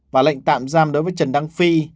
và lệnh tạm giam đối với trần đăng phi